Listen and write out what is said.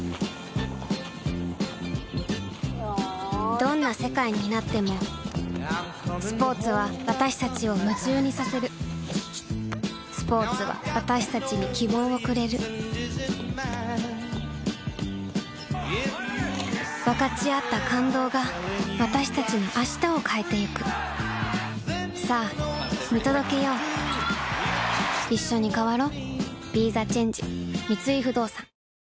どんな世界になってもスポーツは私たちを夢中にさせるスポーツは私たちに希望をくれる分かち合った感動が私たちの明日を変えてゆくさあ見届けよういっしょに変わろう。